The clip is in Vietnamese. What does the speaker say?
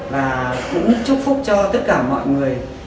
và cũng chúc phúc cho tất cả mọi người